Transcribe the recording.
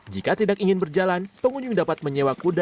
jika tidak ingin berjalan pengunjung dapat menemukan jalan yang berbeda